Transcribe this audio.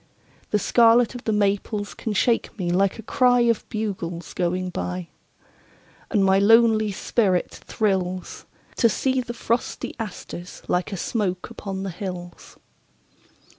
The scarlet of the maples can shake me like a cryOf bugles going by. And my lonely spirit thrillsTo see the frosty asters like a smoke upon the hills.